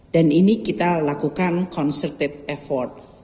dan ini kita lakukan concerted effort